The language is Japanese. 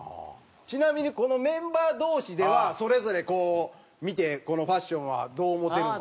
ちなみにこのメンバー同士ではそれぞれこう見てこのファッションはどう思ってるの？